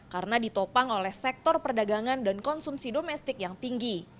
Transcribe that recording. karena ditopang oleh sektor perdagangan dan konsumsi domestik yang tinggi